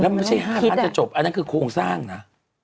แล้วไม่ใช่๕อันจะจบอันนั้นคือโครงสร้างนะ